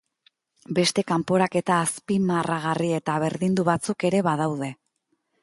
Beste kanporaketa azpimarragarri eta berdindu batzuk ere badaude.